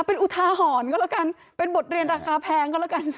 เป็นอุทาหรณ์ก็แล้วกันเป็นบทเรียนราคาแพงก็แล้วกัน